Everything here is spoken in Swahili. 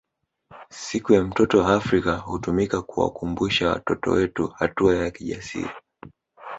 Siku ya mtoto wa Afrika hutumika kuwakumbusha watoto wetu hatua ya kijasiri